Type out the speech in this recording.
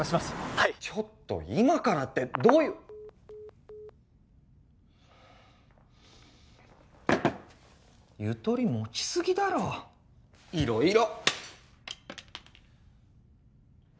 はいちょっと今からってどういうゆとり持ちすぎだろ色々！